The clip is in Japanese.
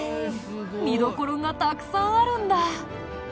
見どころがたくさんあるんだ。